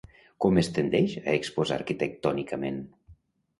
Com es tendeix a exposar arquitectònicament?